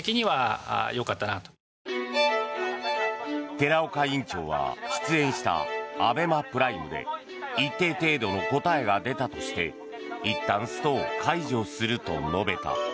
寺岡委員長は出演した「ＡＢＥＭＡＰｒｉｍｅ」で一定程度の答えが出たとしていったんストを解除すると述べた。